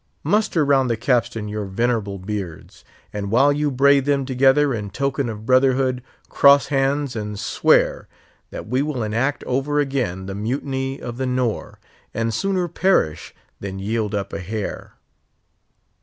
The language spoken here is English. Muster round the capstan your venerable beards, and while you braid them together in token of brotherhood, cross hands and swear that we will enact over again the mutiny of the Nore, and sooner perish than yield up a hair!